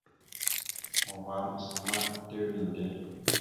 Uvah maɓəsa ma etew inde.